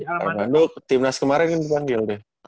armando timnas kemarin ingin dipanggil deh